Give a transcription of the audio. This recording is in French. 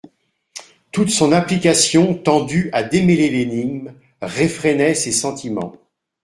Toute son application tendue à démêler l'énigme, refrénait ses sentiments.